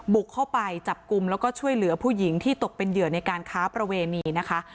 บุกเข้าไปจับกลุ่มแล้วก็ช่วยเหลือผู้หญิงที่ตกเป็นเหยื่อในการค้าประเวณีนะคะ